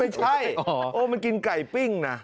ไม่ใช่โอ้มันกินไก่ปิ้งนะ